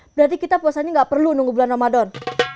berarti kita puasanya nggak perlu nunggu bulan ramadan